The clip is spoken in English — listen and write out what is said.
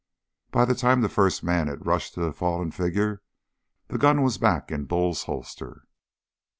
By the time the first man had rushed to the fallen figure, the gun was back in Bull's holster.